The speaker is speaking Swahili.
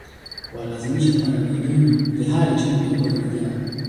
walilazimisha kupanda melini ilihali chombo kilikuwa kimejaa